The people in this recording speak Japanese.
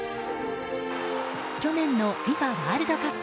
去年のＦＩＦＡワールドカップ。